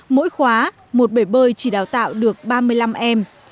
mỗi khóa một bể bơi chỉ đào tạo được ba mươi năm em